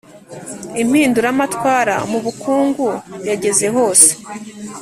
impinduramatwara mu bukungu yageze hose,